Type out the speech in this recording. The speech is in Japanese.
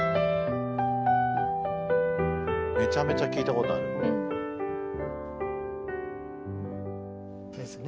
めちゃめちゃ聞いたことある。ですね？